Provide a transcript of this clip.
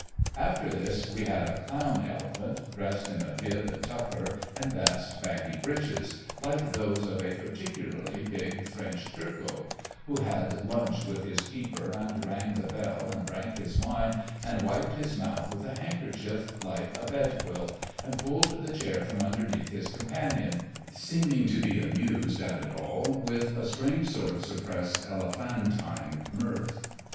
After this we had a clown elephant, dressed in a bib and tucker and vast baggy breeches—like those of a particularly big French Turco—who had lunch with his keeper, and rang the bell and drank his wine and wiped his mouth with a handkerchief like a bed quilt, and pulled the chair from underneath his companion, seeming to be amused at it all with a strange sort of suppressed elephantine mirth.